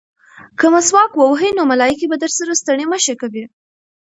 که مسواک ووهې نو ملایکې به درسره ستړې مه شي کوي.